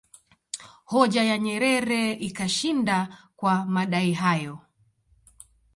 Hoja ya Nyerere ikashinda kwa madai hayo